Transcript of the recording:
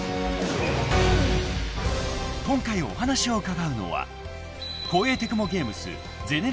［今回お話を伺うのは］